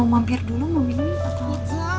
mau mampir dulu mau minum ya atau